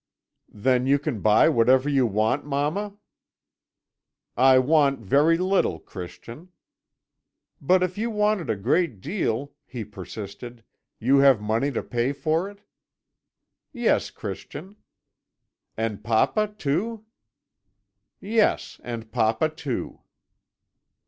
"'Then you can buy whatever you want, mamma.' "'I want very little, Christian.' "'But if you wanted a great deal,' he persisted, 'you have money to pay for it?' "'Yes, Christian.' "'And papa, too?' "'Yes, and papa too.'